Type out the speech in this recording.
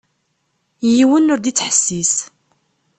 Yiwen ur d-ittḥessis.